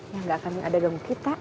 ya gak akan ada ganggu kita